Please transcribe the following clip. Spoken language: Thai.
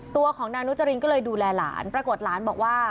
ตัวของนางนุจรินก็เลยดูแลหลานปรากฏหลานบอกว่า